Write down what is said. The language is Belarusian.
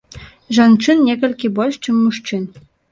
Жанчын некалькі больш чым мужчын.